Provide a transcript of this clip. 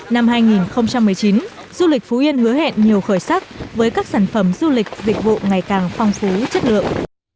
năm hai nghìn một mươi chín du lịch phú yên hứa hẹn nhiều khởi sắc với các sản phẩm du lịch dịch vụ ngày càng phong phú chất lượng